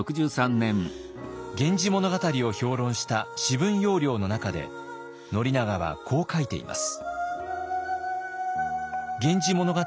「源氏物語」を評論した「紫文要領」の中で宣長はこう書いています。